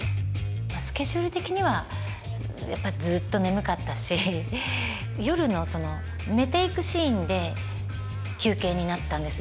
スケジュール的にはやっぱりずっと眠かったし夜の寝ていくシーンで休憩になったんです